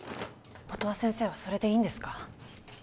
音羽先生はそれでいいんですか？